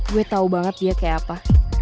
gue tau banget dia kayak apa